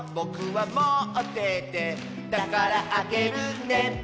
「だからあげるね」